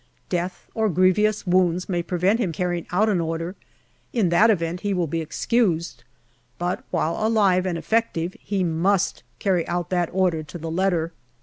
Death or grievous wounds may prevent him carrying out an order ; in that event he will be excused, but while alive and effective, he must carry out that order to the letter.